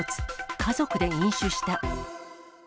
家族で飲酒した。